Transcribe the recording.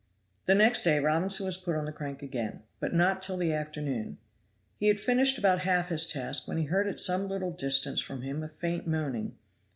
The next day Robinson was put on the crank again, but not till the afternoon. He had finished about half his task, when he heard at some little distance from him a faint moaning.